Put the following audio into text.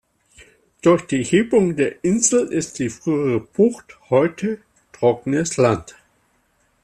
Durch die Hebung der Insel ist die frühere Bucht heute trockenes Land.